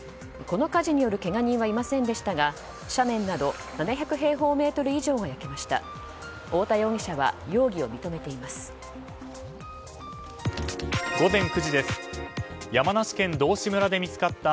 この火事によるけが人はいませんでしたが斜面など７００平方メートル以上が焼けました。